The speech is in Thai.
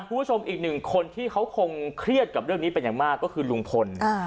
คุณผู้ชมอีกหนึ่งคนที่เขาคงเครียดกับเรื่องนี้เป็นอย่างมากก็คือลุงพล